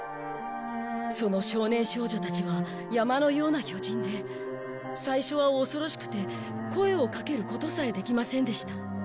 その少年少女たちは山のような巨人で最初は恐ろしくて声をかけることさえできませんでした。